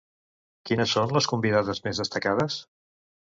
Quines són les convidades més destacades?